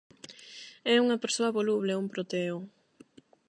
É unha persoa voluble, un proteo.